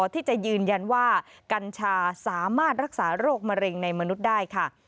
ที่จะยืนยันว่ากัญชาสามารถรักษาโรคมะเร็งในมนุษย์ได้ค่ะ